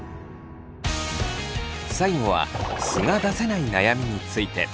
最後は素が出せない悩みについて。